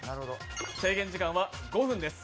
制限時間は５分です。